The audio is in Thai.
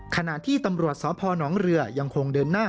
ขณะที่ตำรวจสพนเรือยังคงเดินหน้า